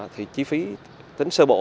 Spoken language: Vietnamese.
thì chi phí tính sơ bộ